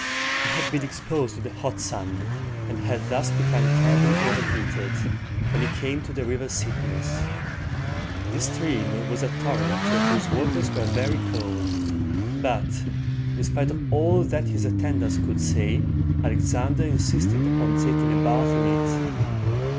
He had been exposed to the hot sun, and had thus become terribly overheated, when he came to the river Cyd´nus. This stream was a torrent whose waters were very cold, but, in spite of all that his attendants could say, Alexander insisted upon taking a bath in it.